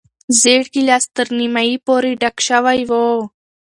زېړ ګیلاس تر نیمايي پورې ډک شوی و.